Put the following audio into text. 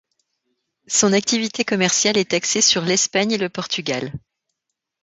Son activité commerciale est axée sur l'Espagne et le Portugal.